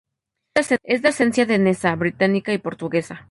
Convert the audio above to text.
Es de ascendencia danesa, británica y portuguesa.